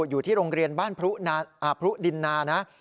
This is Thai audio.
อยู่ที่โรงเรียนบ้านพรุดินนานะ